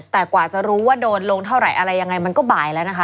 แต่กว่าจะรู้ว่าโดนลงเท่าไหร่อะไรยังไง